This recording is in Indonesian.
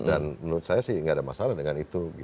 dan menurut saya sih gak ada masalah dengan itu